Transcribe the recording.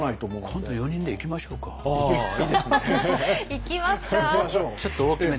今度４人で行きましょうか。